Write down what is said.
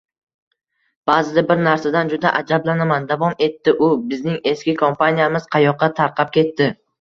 Baʼzida bir narsadan juda ajablanaman, – davom etdi u, – bizning eski kompaniyamiz qayoqqa tarqab ketdi?